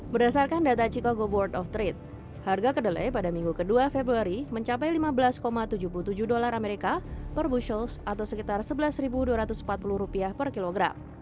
berdasarkan data chicogo board of trade harga kedelai pada minggu kedua februari mencapai lima belas tujuh puluh tujuh dolar amerika per bushalles atau sekitar rp sebelas dua ratus empat puluh per kilogram